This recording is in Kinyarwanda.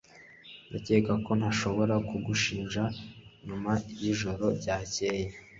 Ndakeka ko ntashobora kugushinja nyuma yijoro ryakeye.